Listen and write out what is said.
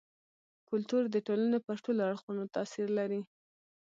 کلتور د ټولني پر ټولو اړخونو تاثير لري.